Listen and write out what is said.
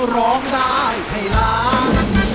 ร้องได้ให้ล้าน